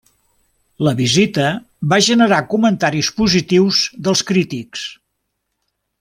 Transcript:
La visita va generar comentaris positius dels crítics.